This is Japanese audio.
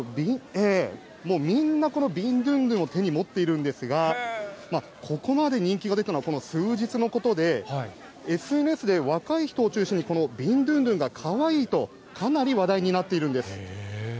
もう、みんなビンドゥンドゥンを手に持っているんですが、ここまで人気が出たのは、この数日のことで、ＳＮＳで若い人を中心に、このビンドゥンドゥンがかわいいと、かなり話題になっているんです。